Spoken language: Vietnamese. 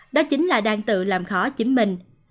đó chính là đang tự làm khó chính mình